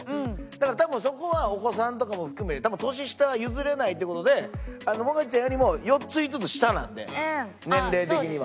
だから多分そこはお子さんとかも含め多分年下は譲れないって事でもがちゃんよりも４つ５つ下なんで年齢的には。